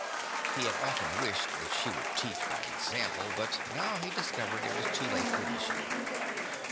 He had often wished that she would teach by example, but now, he discovered, it was too late for wishing.